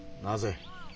なぜ？